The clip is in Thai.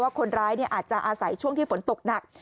คนร้ายอาจจะอาศัยช่วงที่ฝนตกหนัก